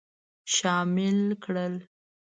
شامل کړل.